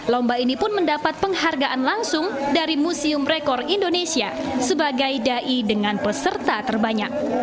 lomba ini pun mendapat penghargaan langsung dari museum rekor indonesia sebagai dai dengan peserta terbanyak